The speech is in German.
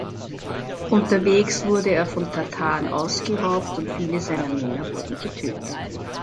Unterwegs wurde er von Tataren ausgeraubt, und viele seiner Männer wurden getötet.